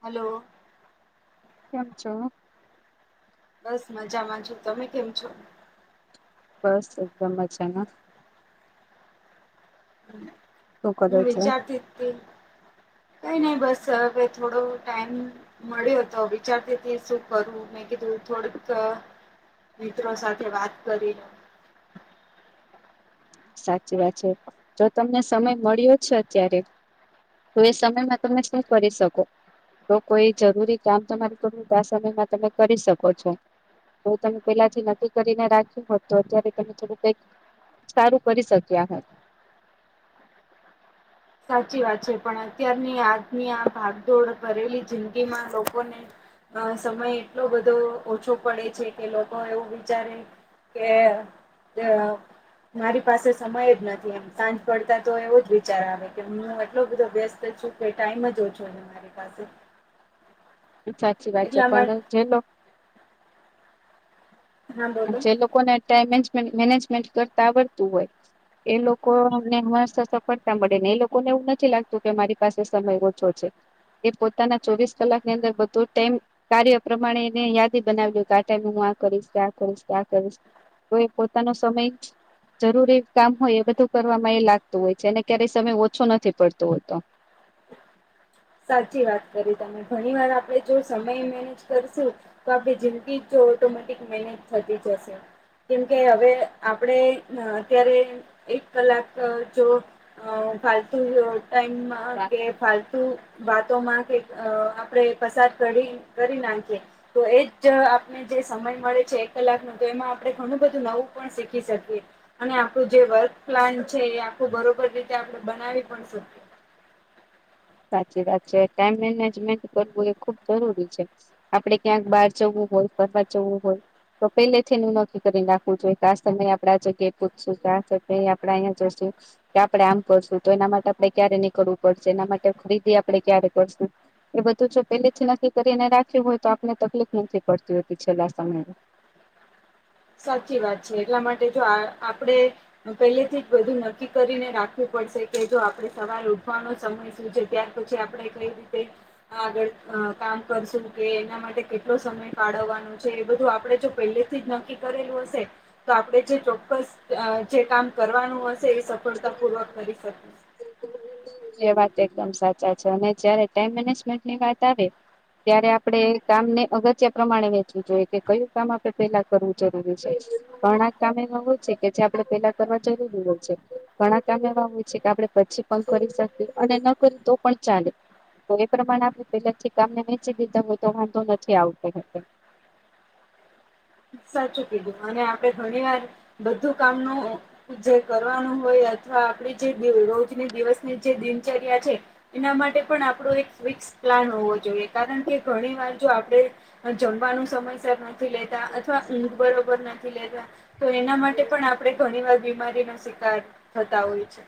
Hello. કેમ છો. બસ મજામાં છું તમે કેમ છો. બસ એકદમ મજામાં. શું હું કરો છો વિચારતી તી કઈ નઈ બસ હવે થોડો ટાઈમ મળ્યો તો વિચારતી હતી શું કરવું, મેં કીધું થોડુક મિત્રો સાથે વાત કરી લઉં. સાચી વાત છે જો તમને સમય મળ્યો છે અત્યારે તો એ સમયમાં તમે શું કરી શકો? તો કોઈ જરૂરી કામ તમાર કરવું તો આ સમયમાં તમે કરી શકો છો. તો તમે પહેલાથી નક્કી કરીને રાખ્યું હોત તો અત્યારે તમે થોડું કંઈક સારું કરી શક્યા હોત. સાચી વાત છે. પણ અત્યારની આજની આ ભાગદોડ કરેલી જિંદગીમાં લોકોને અહ સમય એટલો બધો ઓછો પડે છે, કે લોકો એવું વિચારે કે મારી પાસે સમય જ નથી એમ. સાંજ પડતા તો એવો જ વિચાર આવે. કે હું એટલો બધો વ્યસ્ત છું, કે ટાઈમ જ ઓછું [unintelligible] મારી પાસે. સાચી વાત છે. એટલા પણ માટે જે લો હા બોલો જે લોકોને ટાઈમ [unintelligible] મેનેજમેન્ટ કરતા આવડતું હોય એ લોકોને હંમેશા સફળતા મળે. ને એ લોકોને એવું નથી લાગતું, કે મારી પાસે સમય ઓછો છે. એ પોતાના ચોવીસ કલાકની અંદર બધો જ ટાઈમ કાર્ય પ્રમાણે એને યાદી બનાવ્યું, કે આ ટાઈમે હું આ કરીશ [unintelligible] કરીશ કે આ કરીશ. તો એ પોતાનો સમય જરૂરી કામ હોય એ બધું કરવામાં એ લાગતું હોય છે. એને ક્યારેય સમય ઓછો નથી પડતો હોતો. સાચી વાત કરી તમે. ઘણી વાર આપણે જો સમય મેનેજ કરશું તો આપણી જિંદગી જો ઓટોમેટિક મેનેજ થતી જશે. કેમ કે હવે આપણે અહ અત્યારે એક કલાક જો અહ ફાલતુ ટાઈમમાં કે ફાલતુ વાતોમાં કે અહ આપણે પસાર કરી-કરી નાખીએ, તો એજ આપન ને જે સમય મળે છે એક કલાક નો, તો એમાં આપણે ઘણું બધું નવું પણ શીખી શકીએ. અને આપણું જે વર્ક પ્લાન છે, એ આખું બરોબર રીતે આપણે બનાવી પણ શકીએ. સાચી વાત છે. ટાઈમ મેનેજમેન્ટ કરવું એ ખુબ જરૂરી છે. આપણે ક્યાંક બહાર જવું હોય, ફરવા જવું હોય તો પહેલેથી એનું નક્કી કરીન રાખવું જોઈએ, કે આ સમયે આપણે આ જગ્યાએ પહોંચશું, કે આ જગ્યા એ આપણે અહિંયા જશું. કે આપણે આમ કરશું, તો એના માટે આપણે ક્યારે નીકળવું પડશે, એના માટે ખરીદી આપણે ક્યારે કરશું. એ બધું જો પહેલેથી નક્કી કરીને રાખ્યું હોય તો આપને તકલીફ નથી પડતી હોતી છેલ્લા સમયે. સાચી વાત છે. એટલા માટે જો આ આપણે‌ હ પહેલેથી જ બધું નક્કી કરીને રાખવું પડશે, કે જો આપણે સવારે ઉઠવાનો સમય [unintelligible] અને પછી આપણે કંઈ રીતે આગળ અહ કામ કરશું, કે એના માટે સમય ફાળવવાનો છે, એ બધું આપણે જો પહેલેથી જ નક્કી કરેલું હશે, તો આપણે જે ચોક્કસ અહ જે કામ કરવાનું હશે એ સફળતા પૂર્વક કરી શકીશું. એ વાત એકદમ સાચા છે. અને જયારે ટાઈમ મેનેજમેન્ટ ની વાત આવે ત્યારે આપણે કામ ને અગત્ય પ્રમાણે વેચવું જોઈએ, કે કયું કામ આપણે પહેલા કરવું જરૂરી છે. પણ આ [unintelligible] છે કે જે આપણે પેલા કરવા જરૂરી હોય છે. ઘણા કામ એવા હોય છે કે આપણે પછી પણ કરી શકી, અને ન કરી તો પણ ચાલે. તો એ પ્રમાણે આપણે પહેલેથી કામ ને વહેંચી દીધા હોય તો વાંધો નથી આવતો હતો. સાચું કીધું. અને આપણે ઘણી વાર બધું કામનું જે કરવાનું હોય અથવા આપણી જે દિ રોજની દિવસની જે દિનચર્યા છે એના માટે પણ આપણો એક ફિક્સ પ્લાન હોવો જોઈએ. કારણ કે, ઘણી વાર જો આપણે અહ જમવાનું સમયસર નથી લેતા અથવા ઊંઘ બરોબર નથી લેતા. તો એના માટે પણ આપણે ઘણી બીમારીનો શિકાર થતા હોય છે.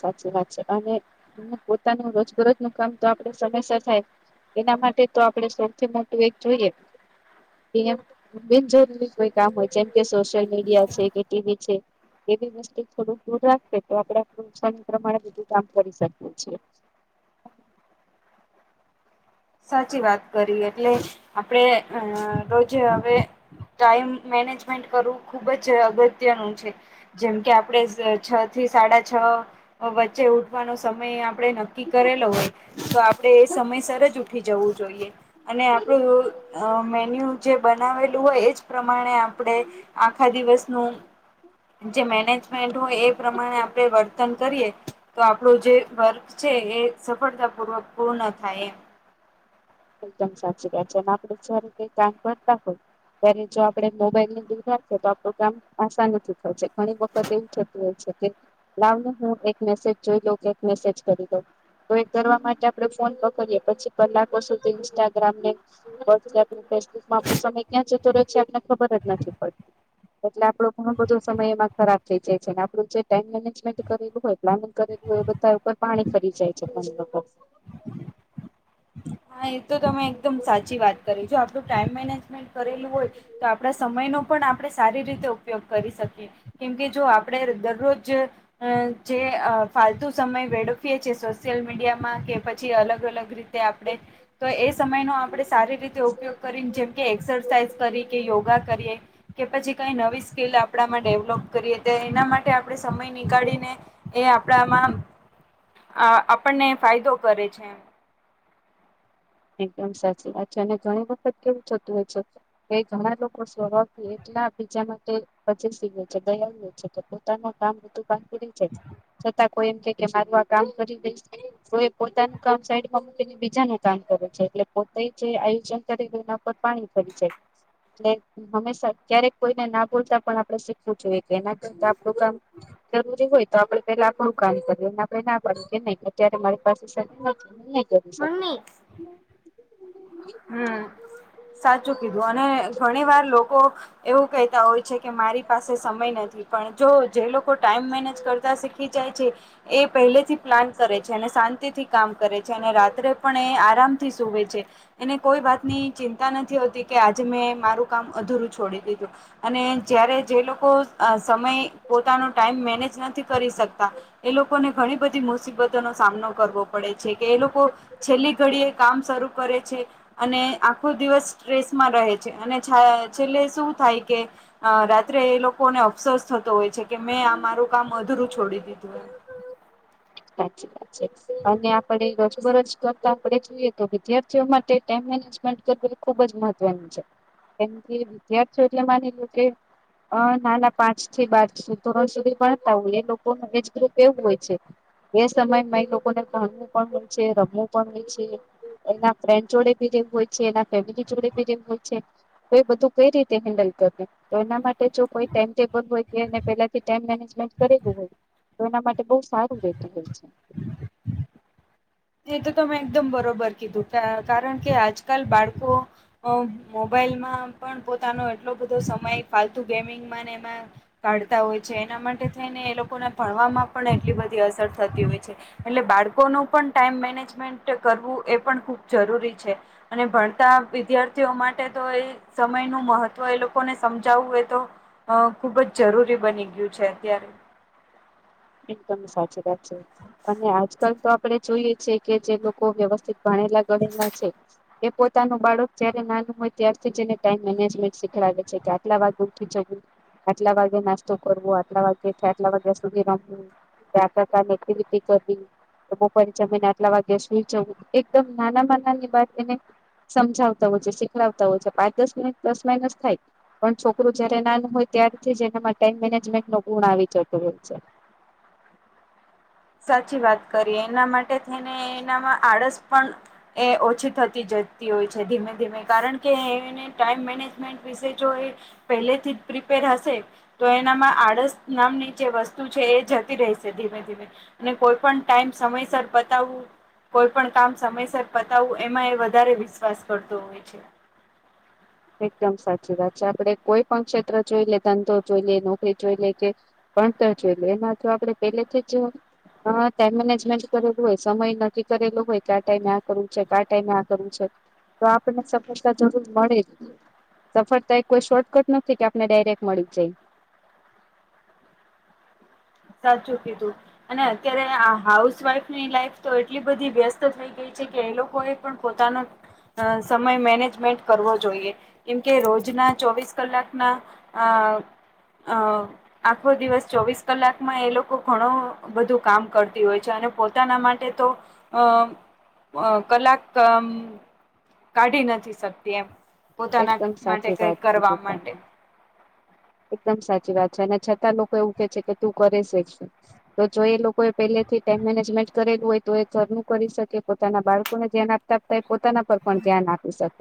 સાચી વાત છે અને પોતાનું રોજબરોજ નું કામ તો આપડે સમયસર થાય એના માટે તો આપણે સૌથી મોટું એક જોઈએ એમ મિન જોરી [unintelligible] કામ હોય જેમ કે સોશિયલ મીડિયા છે કે ટીવી છે એ બી વસ્તુથી થોડુંક દૂર રાખે તો આપણે આપણુ સમય પ્રમાણે બધું કામ કરી શકીએ છીએ. સાચી વાત કરી એટલે આપણેે રોજે હવે ટાઈમ મેનેજમેન્ટ કરવું ખુબ જ અગત્યનું છે. જેમ કે આપણેે છ થી સાડા છ વચ્ચે ઉઠવાનો સમય આપડે નક્કી નક્કી કરેલો હોય તો આપડે એ સમયસર જ ઉઠી જવું અને આપડું શકીએ મેન્યુ જે છીએ બનાવેલું હોય એજ પ્રમાણે આપણે આખા દિવસનું જે મેનેજમેન્ટ હોય એ પ્રમાણે આપણે વર્તન કરીએ. તો આપણું જે વર્ક છે એ સફળતા પૂર્વક પૂર્ણ થાય એમ એકદમ સાચી વાત છે અને આપણે જે રીતે કામ કરતા હોય ત્યારે જો આપડે મોબાઈલ ની દુર રાખશુ તો આપણું કામ આશા નથી થઈ ઘણી વખત એવું થતું હોય છે કે લાવ ને હું એક મેસેજ જોઈ લઉં કે એક મેસેજ કરી દઉં. તો એ કરવા માટે આપણે ફોન પકડીએ પછી કલાકો સુધી ઇન્સ્ટાગ્રામ ને... [inaudible] ફેસબુકમાં આપનો સમય ક્યાં જતો રહે છે આપને ખબર જ નથી પડતી. એટલે આપણો ઘણ બધો સમય એમાં ખરાબ થઇ જાય છે અને આપણું જે ટાઈમ મેનેજમેન્ટ કરેલું હોય. પ્લાનિંગ કરેલું હોય એ બધા ઉપર પાણી ફરી જાય છે. હા એ તો તમે એકદમ સાચી વાત કરી. જો આપડું ટાઈમ મેનેજમેન્ટ કરેલું હોય, તો આપડા સમયનો પણ આપણે સારી રીતે ઉપયોગ કરી શકીએ. કેમ કે જો આપડે દરરોજ. અ જે અ ફાલતુ સમય વેડફિએ છીએ સોશિયલ મીડિયામાં કે પછી અલગ અલગ રીતે તે આપણે. તો એ સમયનો આપણે સારી રીતે ઉપયોગ કરીને જેમકે, એક્સરસાાઈઝ કરી કે યોગા કરીએ. કે પછી કઈ નવી સ્કીલ આપ. આડમાં ડેવલોપ કરીએ તો એના માટે આપણેે સમય નીકાળીને એ આપણામાં. અ આપણને ફાયદો કરે છે. એકદમ સાચી વાત છે અને ઘણી વખત કેવું થતું હોય છે. કે ઘણા લોકો સ્વભાવથી એટલા બીજા માટે.. [inaudible] છે દયાનું છે કે પોતાનું કામ બધુ બાકી રઈ જય છે છતાં. કોઈ એમ કે કે મારું આ કામ કરી દઈશ, તો એ પોતાનું કામ સાઈડમાં મૂકીને બીજાનું કામ. કરે છે એટલે પોતે જે આયોજન કરે એના પર પાણી ફરી જાય. એટલે હંમેશા ક્યારેક કોઈને ના બોલતા પણ આપડે શીખવું જોઈએ કે, એના કરતા આપડું કામ. જરૂરી હોય તો આપડે પેલા આપણું કામ કરીએ એને આપડે ના પાડીએ કે, નહીં અત્યારે મારી પાસે સમય નથી. હું નઈ કરી શકુ મમ્મી હમ. સાચું કીધું અને ઘણી વાર લોકો એવું કહેતા હોય છે કે, મારી પાસે સમય નથી પણ જો જે લોકો ટાઈમ મેનેજ કરતા શીખી જાય છે. એ પહેલેથી પ્લાન કરે છે અને શાંતિ થી કામ કરે. છે અને રાત્રે પણ એ આરામ થી સૂવે છે. એને કોઈ વાતની ચિંતા નથી હોતી કે આજે મેં મારું કામ અધૂરું છોડી દીધું. અને જયારે જે લોકો અ સમય પોતાનો ટાઈમ મેનેજ નથી કરી શકતા. એ લોકોને ઘણી બધી મુસીબતોનો સામનો પડે છે કે એ લોકો. છેલ્લી ઘડીએ કામ શરૂ કરે છે. અને આખો દિવસ સ્ટ્રેસમાં રહે છે અને છાય છેલ્લે શું થાય કે અ રાત્રે એ લોકોને અફસોસ થતો હોય છે કે, મેં આ મારું કામ અધૂરું છોડી દીધું એમ. સાચી વાત. અને આપડે રોજબરોજ કરતા આપડે જોઈએ તો વિદ્યાર્થીઓ માટે ટાઈમ મેનેજમેન્ટ કરે ખુબ જ મહત્વનું છે, કેમ કે વિદ્યાર્થીઓ જે માની લો કે અ નાના પાંચ થી બાર ધોરણ સુધી ભણતા હોય એ લોકોનું એજ ગ્રુપ એવું હોય છે. એ સમયમાં એ લોકોને ભણવું પણ હોય છે રમવું પણ હોય છે. એના ફ્રેન્ડ જોડે ભી [inaudible] હોય છે એના ફેમિલી જોડે ભી [inaudible] હોય છે. તો એ બધું કઈ રીતે હેન્ડલ કરે. તો એના માટે જો કોઈ ટાઈમ ટેબલ હોય કેને પેલાથી ટાઈમ મેનેજમેન્ટ કરેલું હોય? તો એના માટે બહુ સારું રહેતું હોય છે. એ તો તમે એકદમ બરોબર કીધું કા કારણ કે આજકાલ બાળકો મોબાઈલમાં પણ પોતાનો એટલો બધો સમય ફાલતું ગેમિંગમાં ને એમાં... કાઢતા હોય છે એના માટે થઈને એ લોકોને ભણવામાં પણ એટલી બધી અસર થતી હોય છે. એટલે બાળકોનો પણ ટાઈમ મેનેજમેન્ટ કરવું એ પણ ખુબ જરૂરી છે. અને ભણતા વિદ્યાર્થીઓ માટે તો એ સમય નું મહત્વ એ લોકોને સમજાવવું હોય તો. અ ખુબ જ જરૂરી બની ગયું છે અત્યારે. એકદમ સાચી વાત છે અને આજકાલ તો આપણે જોઈએ છીએ કે જે લોકો વ્યવસ્થિત રીતે ભણેલા-ગણેલા છે, એ પોતાના બાળકને જ્યારે નાનું હોય ત્યારથી જ એને ટાઈમ મેનેજમેન્ટ શીખડાવે છે કે આટલા વાગ્યે ઉઠી જવું. આટલા વાગ્યે નાસ્તો કરવો, આટલા વાગે થી આટલા વાગ્યા સુધીમાં કામ હા, [inaudible] કનેક્ટિવિટી કરવી બપોરે જમીને આટલા વાગ્યે સૂઈ જવું એ એકદમ નાના નાના ની વાત એને સમજાવતા હોય છે, શીખવાડતા હોય છે. પાંચ-દસ મિનિટ, દસ માયન્સ થાય. પણ છોકરું જ્યારે નાનું હોય ત્યારથી જ એના માટે ટાઈમ મેનેજમેન્ટનો ગુણ આવી જતુ હોય છે. સાચી વાત કરીએ એના માટે થેને એનામાં આળસ પણ એ ઓછી થતી જતી હોય છે ધીમે ધીમે કારણ કે એને ટાઈમ મેનેજમેન્ટ વિશે જો એ પહેલેથી જ પ્રિપેર હશે તો એનામાં આળસ નામની જે વસ્તુ છે, એ જતી રેશે ધીમે ધીમે અને કોઈપણ ટાઈમ સમયસર પતાઉ કોઈપણ કામ સમયસર પતાવવું, એમાં એ વધારે વિશ્વાસ કરતો હોય છે. એકદમ સાચી વાત છે. આપણે કોઈપણ ક્ષેત્ર જોઈ લો, ધંધો જોઈ લે નોકરી જોઈ લે કે ભણતર છેલે એમાં થી આપણે પહેલેથી જ હા, ટાઈમ મેનેજમેન્ટ કરેલું હોય, સમય નકકી કરેલું હોય કે આ ટાઈમે આ કરું છે આ ટાઈમે આ કરુ છે. તો આપણને સફળતા જરૂર મળેજ. સફળતા એ કોઈ શોર્ટકટ નથી કે આપને ડાયરેક્ટ મળી જાય. સાચું કીધું અને અત્યારે આ હાઉસ વાઇફની લાઇફ તો એટલી બધી વ્યસ્ત થઈ કે છે એ લોકોએ પણ પોતાનાં આ સમય મેનેજમેન્ટ કરવું જોઈએ, કેમ કે રોજના ચોવીસ કલાકના અ આવ આખો દિવસ ચોવીસ કલાક. એમાં એ લોકો ઘણું બધું કામ કરતી હોય છે અને પોતાના માટે તો અ અ કલાક તો આમ કાઢી નથી શકતી એમ. પોતાના એકદમ માટે સાચી કંઈક વાત કરવા કીધી તમે માટે... એકદમ સાચી વાત છે અને છતાં લોકો એવું કહે છે કે, તું કરેશે? તો જો એ લોકોએ પહેલેથી જ ટાઈમ મેનેજમેન્ટ કરેલું હોય, તો એ ઘરનું કામ પણ કરી શકે અને પોતાનાં બાળકોને પણ પૂરતું ધ્યાન આપી શકે. એ પોતાના પર પણ ધ્યાન આપી શકે.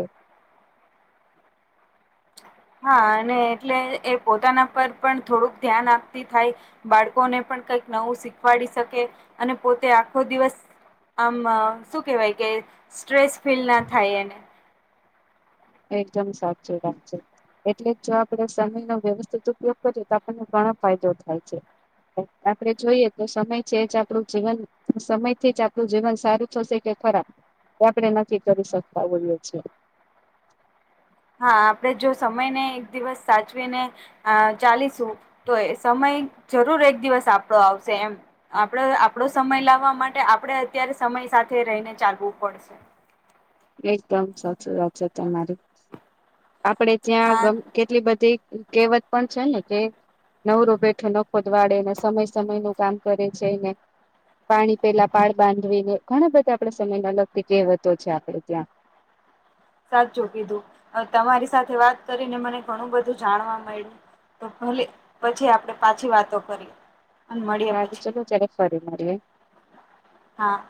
હા, અને એટલે એ પોતાના પર પણ થોડુંક ધ્યાન આપતી થાય. બાળકોને પણ કંઈક નવું શીખવાડી શકે અને પોતે આખો દિવસ આમ શું કહેવાય કે, સ્ટ્રેસ ફીલ ન થાય એમ? એકદમ સાચું રાખજો. એટલે જો આપણે સમયનો વ્યવસ્થિત ઉપયોગ કરીએ, તો આપણને ઘણા ફાયદા થાય છે. આપણે જોઈએ તો સમય છે જ આપણું જીવન સમયથી જ આપણું જીવન સારું થશે કે ખરા આપણે નથી કરી શકતા હોઈએ છીએ. હા આપણે જો સમયને એક દિવસ સાચવીને હા ચાલીશું તો એ સમય જરૂર એક દિવસ આપણો આવશે એમ. આપણે આપણો સમય લાવવા માટે આપણે અત્યારે સમય સાથે રહીને ચાલવું પડશે. એકદમ સાચી વાત છે તમારી. આપણે હા ત્યાં કેટલી બધી કહેવતો પણ છે ને કે નવરો બેઠો નખોદ વાળે અને સમયનું કામ સમયસર કરે છે ને પાણી પહેલાં પાળ બાંધવી, એવી ઘણી બધી આપણાં સમયને લગતી કહેવતો છે આપણે ત્યાં. સાચું કીધું તમારી સાથે વાત કરીને મને ઘણું બધું જાણવા મળ્યું. તો ભલે, પછી આપણે પાછી વાતો કરીએ. અને પછી સારું મળીએ ચલો ત્યારે ફરી મળીએ. હા.